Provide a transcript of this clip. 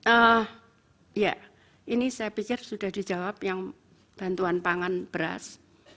eh ya ini saya pikir sudah dijawab yang bantuan pangan beras